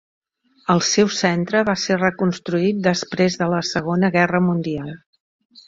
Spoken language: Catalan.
El seu centre va ser reconstruït després de la Segona Guerra Mundial.